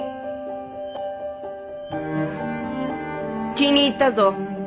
気に入ったぞ！